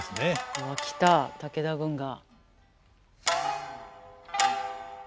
うわ来た武田軍が。